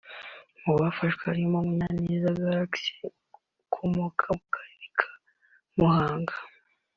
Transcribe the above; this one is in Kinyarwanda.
Mu bafashwe harimo Munyaneza Callixte ukomoka mu Karere ka Muhanga